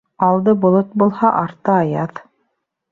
Алды болот булһа, арты аяҙ.